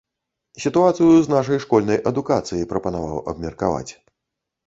Сітуацыю з нашай школьнай адукацыяй прапанаваў абмеркаваць.